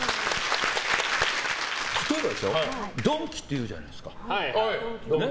例えばですよドンキって言うじゃないですか。